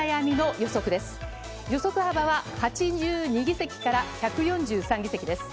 予測幅は８２議席から１４３議席です。